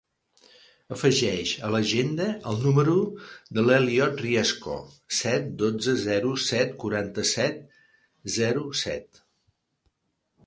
Afegeix a l'agenda el número de l'Elliot Riesco: set, dotze, zero, set, quaranta-set, zero, set.